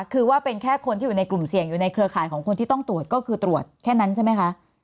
คือว่าเป็นแค่คนที่อยู่ในกลุ่มเสี่ยงอยู่ในเครือข่ายของคนที่ต้องตรวจก็คือตรวจแค่นั้นใช่ไหมคะ